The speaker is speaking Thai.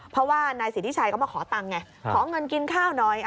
เพราะว่านายสิทธิชัยก็มาขอตังค์ไงขอเงินกินข้าวหน่อย